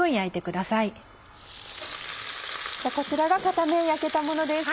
こちらが片面焼けたものです。